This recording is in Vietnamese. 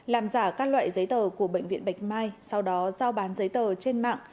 làm giả các loại giấy tờ của bệnh viện bạch mai sau đó giao bán giấy tờ trên mạng